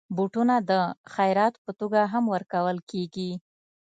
بوټونه د خيرات په توګه هم ورکول کېږي.